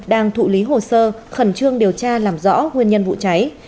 đang thụ lý hồ sơ khẩn trương điều tra làm rõ nguyên nhân vụ cháy